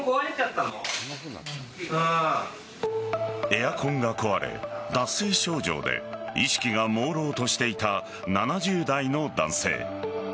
エアコンが壊れ、脱水症状で意識がもうろうとしていた７０代の男性。